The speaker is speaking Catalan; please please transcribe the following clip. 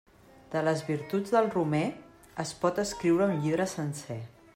De les virtuts del romer es pot escriure un llibre sencer.